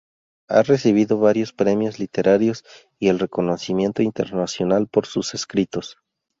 Ha recibido varios premios literarios y el reconocimiento internacional por sus escritos.